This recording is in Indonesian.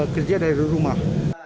kerja dari rumah